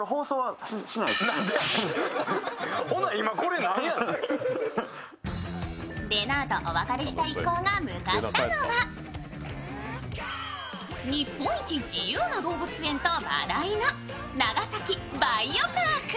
れなぁとお別れした一行が向かったのは、日本一自由な動物園と話題の長崎バイオパーク。